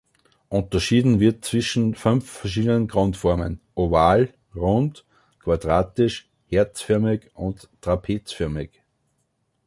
Unterschieden wird zwischen fünf verschiedenen Grundformen: oval, rund, quadratisch, herzförmig und trapezförmig.